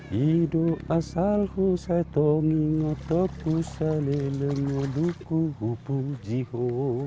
hidup asalku saya tongi ngotokku sali lengoluku hupu jiho